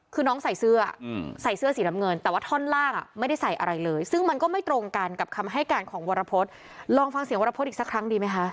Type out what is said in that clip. คือน้องใส่เสื้อใส่เสื้อสีน้ำเงินแต่ว่าท่อนล่างไม่ได้ใส่อะไรเลยซึ่งมันก็ไม่ตรงกันกับคำให้การของวรพฤษลองฟังเสียงวรพฤษอีกสักครั้งดีไหมคะ